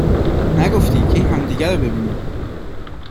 نگفتی کی همدیگر رو ببینیم